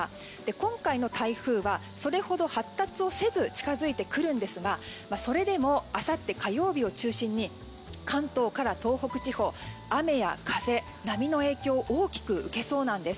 今回の台風はそれほど発達をせず近づいてくるんですがそれでも、あさって火曜日を中心に関東から東北地方雨や風、波の影響大きく受けそうなんです。